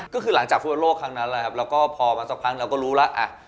ก็คือหลังจากฟุตโลกครั้งนั้นแล้วก็พอมาสักครั้งเราก็รู้แล้ว